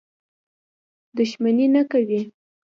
دښمني نه کوي.